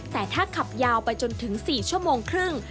แต่ถ้าขับยาวไปจนถึง๔ชั่วโมงครึ่ง